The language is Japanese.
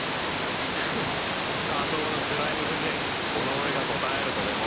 フン下等なスライム風情にこの俺が答えるとでも？